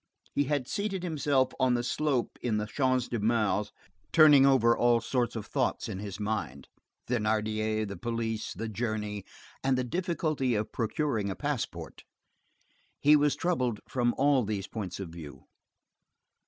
He had seated himself on the slope in the Champ de Mars, turning over all sorts of thoughts in his mind,—Thénardier, the police, the journey, and the difficulty of procuring a passport. He was troubled from all these points of view.